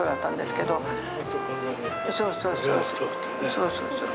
そうそうそう。